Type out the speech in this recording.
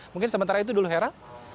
mungkin sementara itu dulu hera